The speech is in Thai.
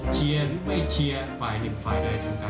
เชียร์หรือไม่เชียร์ฝ่ายหนึ่งฝ่ายด้วยทั้งกัน